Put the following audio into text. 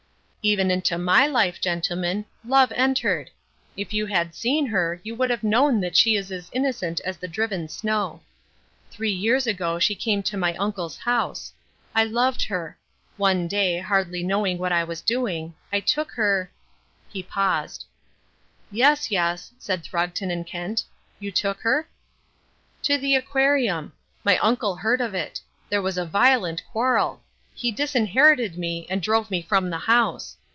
"Even into my life, gentlemen, love entered. If you had seen her you would have known that she is as innocent as the driven snow. Three years ago she came to my uncle's house. I loved her. One day, hardly knowing what I was doing, I took her " he paused. "Yes, yes," said Throgton and Kent, "you took her?" "To the Aquarium. My uncle heard of it. There was a violent quarrel. He disinherited me and drove me from the house.